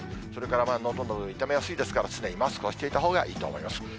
それから、のども痛めやすいですから、常にマスクをしていたほうがいいと思います。